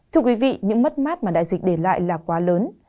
thưa quý vị những mất mát mà đại dịch để lại là quá lớn